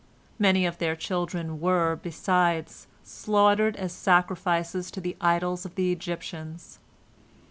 Many of their children were, besides, slaughtered as sacrifices to the idols of the Egyptians.